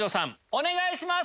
お願いします。